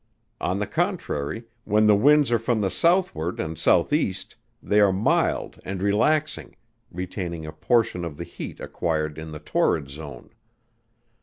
On the contrary, when the winds are from the southward and S.E. they are mild and relaxing, retaining a portion of the heat acquired in the torrid zone.